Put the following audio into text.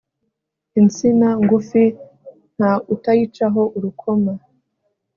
insina ngufi nta utayicaho urukoma